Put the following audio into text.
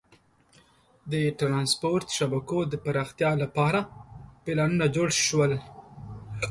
د ترانسپورت شبکو د پراختیا لپاره پلانونه جوړ شول.